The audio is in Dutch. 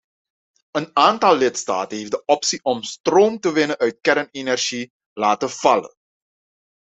Een aantal lidstaten heeft de optie om stroom te winnen uit kernenergie laten vallen.